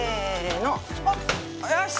よし！